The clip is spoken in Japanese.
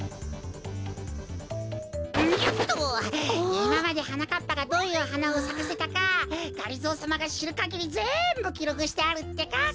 いままではなかっぱがどういうはなをさかせたかがりぞーさまがしるかぎりぜんぶきろくしてあるってか！